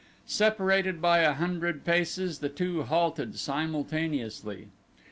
Separated by a hundred paces the two halted simultaneously.